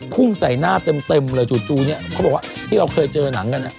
พุ่งใส่หน้าเต็มเลยจู่เนี่ยเขาบอกว่าที่เราเคยเจอหนังกัน